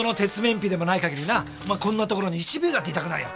もうこんなところに１秒だっていたくないよ。